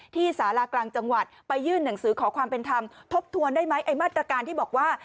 สารากลางจังหวัดไปยื่นหนังสือขอความเป็นธรรมทบทวนได้ไหมไอ้มาตรการที่บอกว่า